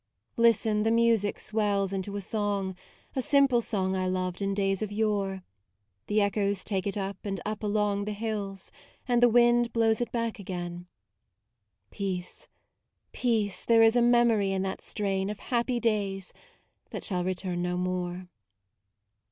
Listen, the music swells into a song, A simple song I loved in days of yore; The echoes take it up and up along The hills, and the wind blows it back again: ; Peace, peace, there is a memory in that strain Of happy days that shall return no more.